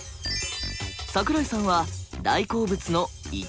桜井さんは大好物の「いちご」。